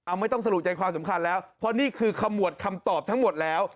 เอาไม่ต้องสรุปใจความสำคัญแล้วเพราะนี่คือขมวดคำตอบทั้งหมดแล้ว